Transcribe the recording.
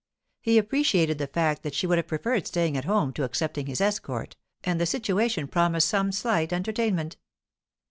He appreciated the fact that she would have preferred staying at home to accepting his escort, and the situation promised some slight entertainment.